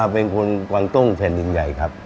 เป็นคนวางตุ้งแผ่นดินใหญ่ครับ